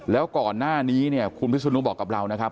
แล้วก่อนหน้านี้เนี่ยคุณพิศนุบอกกับเรานะครับ